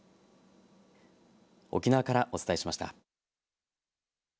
沖縄からお伝えしました。